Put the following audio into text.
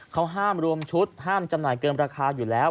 เขาห้ามรวมชุดห้ามจำหน่ายเกินราคาอยู่แล้ว